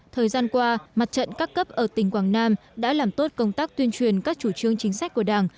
thời gian qua mặt trận các cấp ở tỉnh quảng nam đã làm tốt công tác tuyên truyền các chủ trương chính sách của đảng